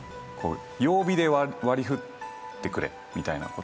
曜日で割り振ってくれみたいなことを。